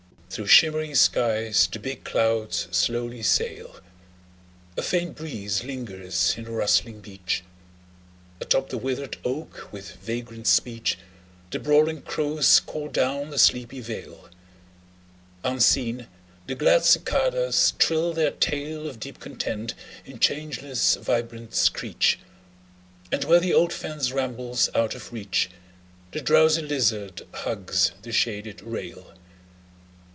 Through shimmering skies the big clouds slowly sail; A faint breeze lingers in the rustling beech; Atop the withered oak with vagrant speech The brawling crows call down the sleepy vale; Unseen the glad cicadas trill their tale Of deep content in changeless vibrant screech, And where the old fence rambles out of reach, The drowsy lizard hugs the shaded rail.